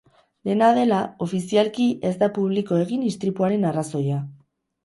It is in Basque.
Dena dela, ofizialki ez da publiko egin istripuaren arrazoia.